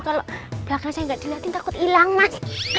kalau belakang saya gak dilihatin takut ilang mas